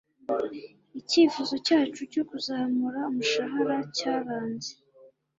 Icyifuzo cyacu cyo kuzamura umushahara cyaranze.